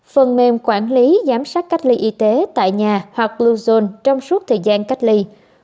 phần mềm quản lý giám sát cách ly y tế tại nhà hoặc bluezone trong suốt thời gian cách ly